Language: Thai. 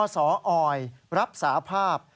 สออยรับสาภาพ